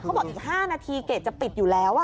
บอกอีก๕นาทีเกรดจะปิดอยู่แล้ว